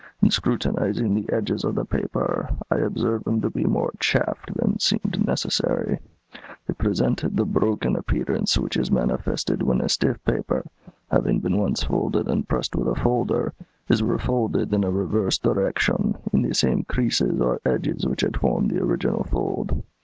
In scrutinizing the edges of the paper, I observed them to be more chafed than seemed necessary. They presented the broken appearance which is manifested when a stiff paper, having been once folded and pressed with a folder, is refolded in a reversed direction, in the same creases or edges which had formed the original fold.